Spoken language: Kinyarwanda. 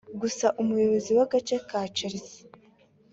gusa umuyobozi w’agace ka Chelsea